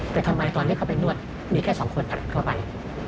แต่ทำไมตอนได้เข้าไปนวดมีแค่๒คนตัดเข้าไป